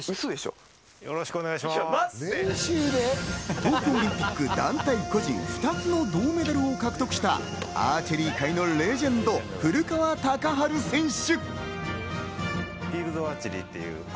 東京オリンピック団体、個人、２つの銅メダルを獲得したアーチェリー界のレジェンド・古川高晴選手。